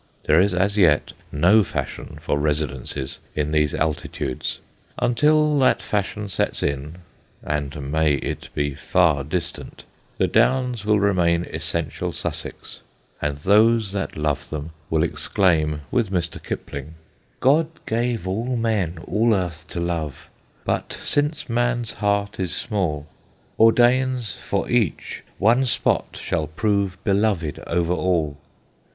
There is as yet no fashion for residences in these altitudes. Until that fashion sets in (and may it be far distant) the Downs will remain essential Sussex, and those that love them will exclaim with Mr. Kipling, God gave all men all earth to love, But since man's heart is small, Ordains for each one spot shall prove Beloved over all.